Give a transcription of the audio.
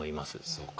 そうか。